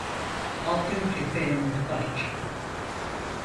Altın kepeğe muhtaç.